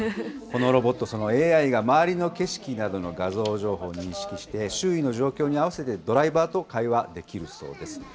このロボット、ＡＩが周りの景色などの画像情報を認識して、周囲の状況に合わせてドライバーと会話できるそうです。